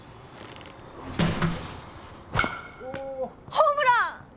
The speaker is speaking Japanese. ホームラン！